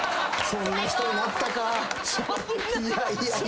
「そんな人になったか」